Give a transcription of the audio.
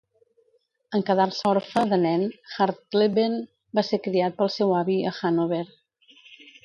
En quedar-se orfe de nen, Hartleben va ser criat pel seu avi a Hanover.